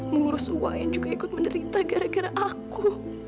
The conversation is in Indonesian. mengurus uwa yang juga ikut menderita gara gara aku